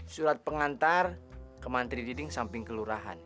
surat pengantar ke mantri diding samping ke lurahan